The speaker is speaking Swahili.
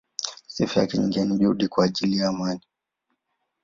Sifa yake nyingine ni juhudi kwa ajili ya amani.